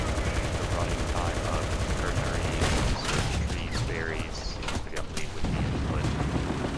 The running time of ternary search trees varies significantly with the input.